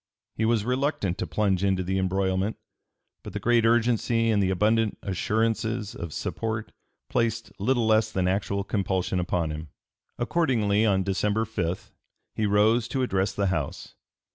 He was reluctant to plunge into the embroilment; but the great urgency and the abundant assurances of support placed little less than actual compulsion upon him. Accordingly on December 5 he rose to address the House.